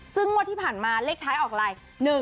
ซึ่งว่าที่ผ่านมาเล็กท้ายออกราย๑๔